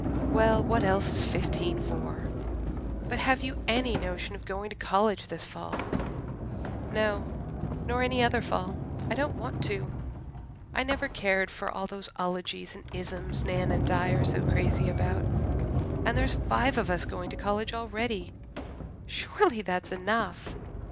"Well, what else is fifteen for? But have you any notion of going to college this fall?" "No nor any other fall. I don't want to. I never cared for all those ologies and isms Nan and Di are so crazy about. And there's five of us going to college already. Surely that's enough.